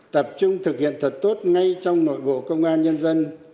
tập trung thực hiện thật tốt ngay trong nội bộ công an nhân dân